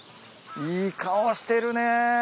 いい顔してるね。